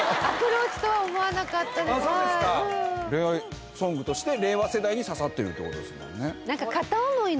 あっそうですか恋愛ソングとして令和世代に刺さってるってことですもんね。